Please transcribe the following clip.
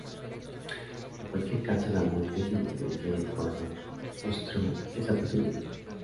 En cualquier caso, la muerte sin descendencia de Juana frustró esa posibilidad.